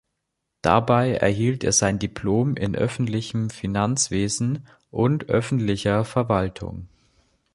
Dabei erhielt er sein Diplom in öffentlichem Finanzwesen und öffentlicher Verwaltung.